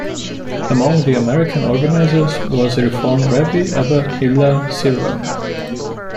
Among the American organizers was Reform Rabbi Abba Hillel Silver.